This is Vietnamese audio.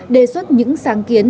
đề xuất những sáng kiến